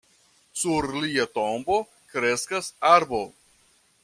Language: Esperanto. Sur lia tombo kreskas arbo.